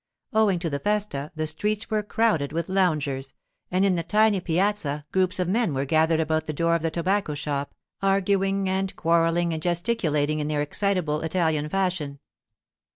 Owing to the festa, the streets were crowded with loungers, and in the tiny piazza groups of men were gathered about the door of the tobacco shop, arguing and quarrelling and gesticulating in their excitable Italian fashion.